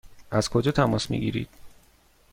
از کجا تماس می گیرید؟